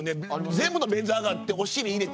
全部の便座上がってお尻入れて。